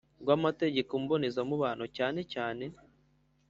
Rw amategeko mbonezamubano cyane cyane